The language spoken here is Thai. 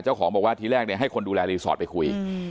เจ้าของบอกว่าทีแรกให้คนดูแลรีสอร์ทไปคุย